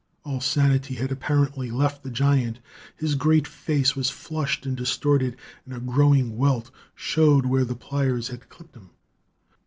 All sanity had apparently left the giant. His great face was flushed and distorted, and a growing welt showed where the pliers had clipped him.